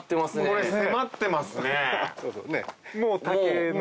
これ迫ってますね・